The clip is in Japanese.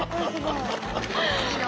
いいな。